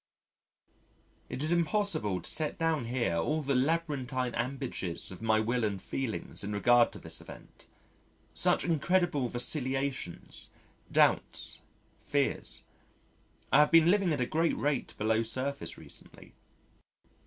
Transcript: It is impossible to set down here all the labyrinthine ambages of my will and feelings in regard to this event. Such incredible vacillations, doubts, fears. I have been living at a great rate below surface recently.